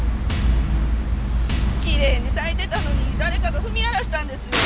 きれいに咲いてたのに誰かが踏み荒らしたんですよ。